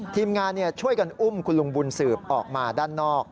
ทีมงานช่วยกันอุ้มคุณลุงบุญสืบออกมาด้านนอก